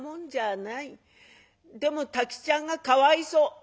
「でも太吉っちゃんがかわいそう」。